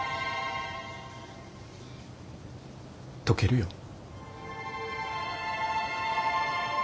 溶けるよ。